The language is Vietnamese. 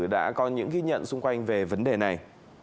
đã có những ghi nhận xung quanh về vấn đề này